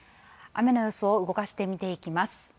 雨の予想動かして見ていきます。